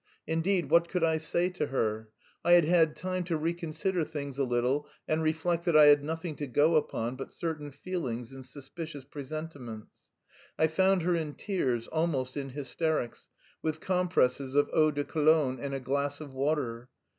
Indeed, what could I say to her? I had had time to reconsider things a little and reflect that I had nothing to go upon but certain feelings and suspicious presentiments. I found her in tears, almost in hysterics, with compresses of eau de Cologne and a glass of water.